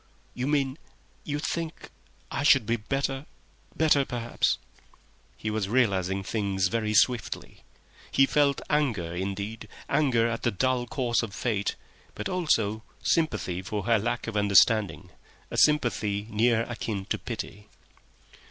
"You mean—you think—I should be better, better perhaps—" He was realising things very swiftly. He felt anger perhaps, anger at the dull course of fate, but also sympathy for her lack of understanding—a sympathy near akin to pity.